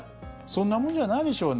そんなもんじゃないでしょう